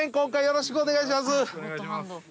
よろしくお願いします。